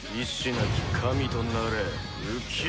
なき神となれ浮世英寿！